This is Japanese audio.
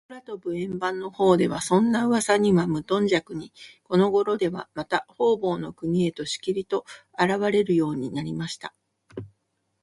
空とぶ円盤のほうでは、そんなうわさにはむとんじゃくに、このごろでは、また、ほうぼうの国へと、しきりと、あらわれるようになりました。